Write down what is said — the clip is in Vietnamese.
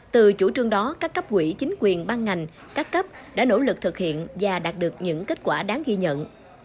từ chủ trương đó các cấp quỹ chính quyền ban ngành các cấp đã nỗ lực thực hiện và đạt được những kết quả đáng ghi nhận